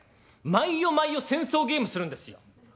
毎夜毎夜戦争ゲームするんですよ。